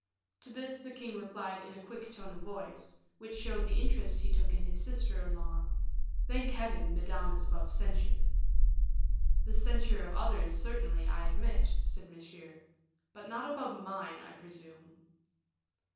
To this the king replied in a quick tone of voice, which showed the interest he took in his sister in law, "Thank Heaven, Madame is above censure." "The censure of others, certainly, I admit," said Monsieur; "but not above mine, I presume."